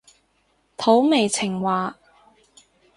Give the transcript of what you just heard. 土味情話